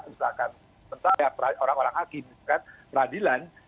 misalkan saya orang orang hakim peradilan